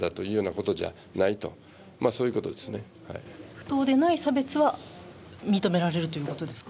不当でない差別は認められるということですか？